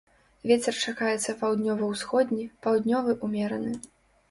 Вецер чакаецца паўднёва-ўсходні, паўднёвы ўмераны.